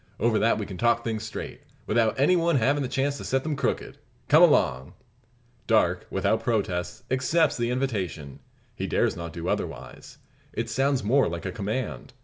Over that we can talk things straight, without any one havin' the chance to set them crooked. Come along!" Darke, without protest, accepts the invitation. He dares not do otherwise. It sounds more like a command.